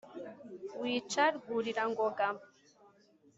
wica rwurira-ngoga.